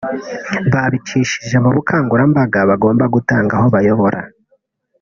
babicishije mu bukangurambaga bagomba gutanga aho bayobora